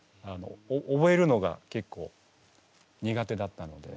覚えるのがけっこう苦手だったので。